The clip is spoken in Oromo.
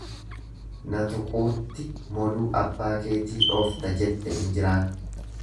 Na xuquutti moluu abbaa keetii dhoofta jette injiraan.